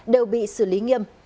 đều bị xử lý nghiêm